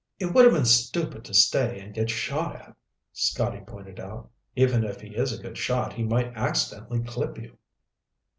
"It would have been stupid to stay and get shot at," Scotty pointed out. "Even if he is a good shot, he might accidentally clip you."